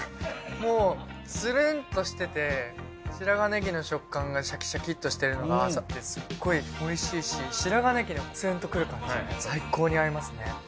もうつるんとしてて白髪ねぎの食感がシャキシャキっとしてるのがあわさってすっごいおいしいし白髪ねぎのツンとくる感じが最高に合いますね。